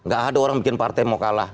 gak ada orang bikin partai mau kalah